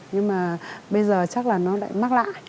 nhưng mà bây giờ chắc là nó lại mắc lại